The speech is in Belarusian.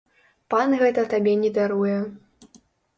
Пан гэта табе не даруе.